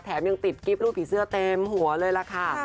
ยังติดกริปรูปผีเสื้อเต็มหัวเลยล่ะค่ะ